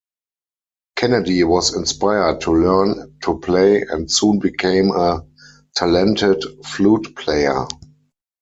Kennedy was inspired to learn to play and soon became a talented flute player.